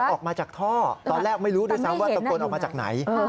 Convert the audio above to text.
ออกมาจากท่อตอนแรกไม่รู้ด้วยซ้ำว่าตะโกนออกมาจากไหน